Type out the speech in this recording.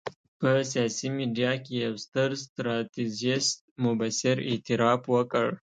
په برېښنایي میډیا کې یو ستراتیژیست مبصر اعتراف وکړ.